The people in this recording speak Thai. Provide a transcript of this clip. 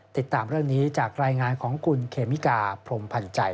ติดตามเรื่องนี้จากรายงานของคุณเคมิกาพรมพันธ์ใจ